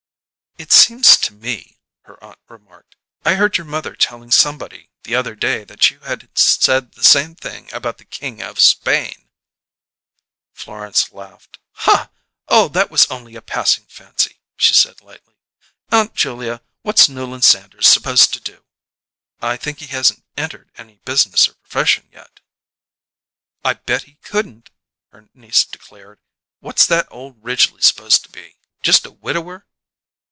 "It seems to me," her aunt remarked, "I heard your mother telling somebody the other day that you had said the same thing about the King of Spain." Florence laughed. "Oh, that was only a passing fancy," she said lightly. "Aunt Julia, what's Newland Sanders supposed to do?" "I think he hasn't entered any business or profession yet." "I bet he couldn't," her niece declared. "What's that old Ridgely supposed to be? Just a widower?"